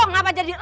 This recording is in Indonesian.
gapapa jadi lu